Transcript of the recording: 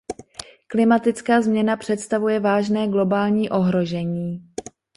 Klimatická změna představuje vážné globální ohrožení.